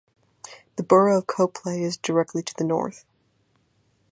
The borough of Coplay is directly to the north.